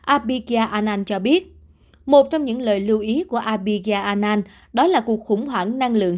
abhigya anand cho biết một trong những lời lưu ý của abhigya anand đó là cuộc khủng hoảng năng lượng